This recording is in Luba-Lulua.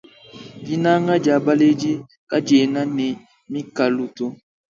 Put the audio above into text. Dinanga dia baledi kadiena ne mikalu to.